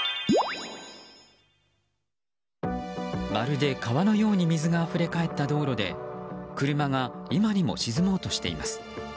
まるで川のように水があふれかえった道路で車が今にも沈もうとしています。